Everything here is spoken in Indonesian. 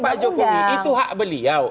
kembali ke pak jokowi itu hak beliau